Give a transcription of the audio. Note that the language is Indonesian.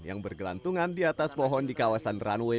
yang bergelantungan di atas pohon di kawasan runway